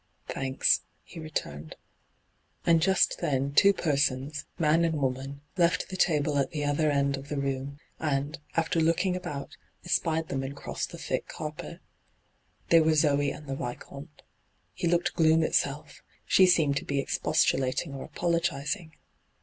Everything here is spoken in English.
* Thanks,' he returned. And just then two persons, man and hyGoogIc ENTRAPPED 191 womaD, lefl the table at Uie other end of the room, and, after looking about, espied them and crossed the thick carpet. They were Zoe and the Vicomte. He looked gloom itself; she seemed to be expostulating or apol(^zing.